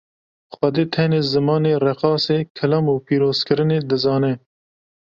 Xwedê tenê zimanê reqasê, kilam û pîrozkirinê dizane.